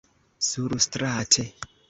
surstrate